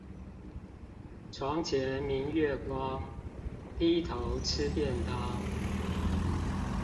床前明月光，低頭吃便當